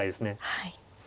はい。